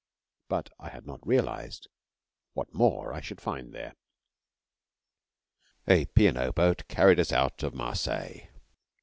But I had not realised what more I should find there. A P. & O. boat carried us out of Marseilles.